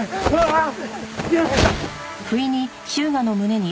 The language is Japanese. あっ！